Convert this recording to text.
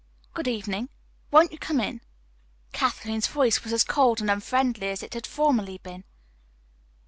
"Good evening. Won't you come in?" Kathleen's voice was as cold and unfriendly as it had formerly been.